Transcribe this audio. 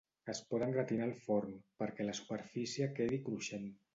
Es poden gratinar al forn, perquè la superfície quedi cruixent.